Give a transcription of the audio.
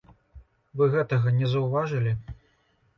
Вы гэтага не заўважылі?